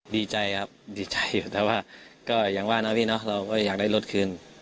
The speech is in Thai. ดีใจครับดีใจแต่ว่าก็อย่างว่านะพี่เนาะเราก็อยากได้รถคืน